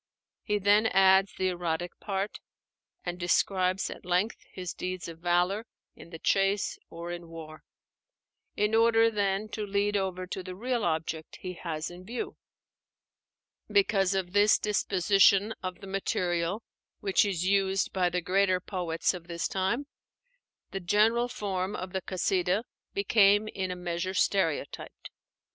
He then adds the erotic part, and describes at length his deeds of valor in the chase or in war; in order, then, to lead over to the real object he has in view. Because of this disposition of the material, which is used by the greater poets of this time, the general form of the Kasídah became in a measure stereotyped.